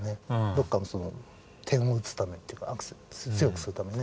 どっかのその点を打つためっていうかアクセント強くするためね。